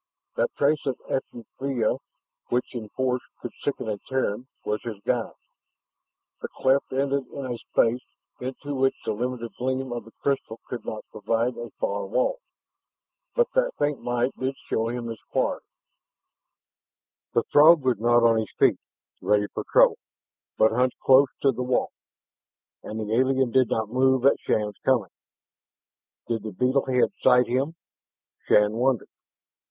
That trace of effluvia which in force could sicken a Terran, was his guide. The cleft ended in a space to which the limited gleam of the crystal could not provide a far wall. But that faint light did show him his quarry. The Throg was not on his feet, ready for trouble, but hunched close to the wall. And the alien did not move at Shann's coming. Did the beetle head sight him? Shann wondered.